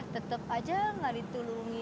tetap saja tidak ditolong